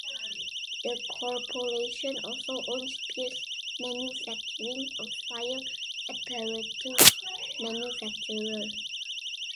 The corporation also owns Pierce Manufacturing, a fire apparatus manufacturer.